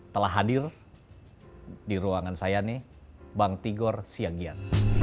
telah hadir di ruangan saya nih bang tigor siagian